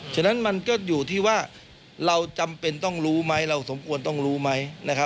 ฉะนั้นมันก็อยู่ที่ว่าเราจำเป็นต้องรู้ไหมเราสมควรต้องรู้ไหม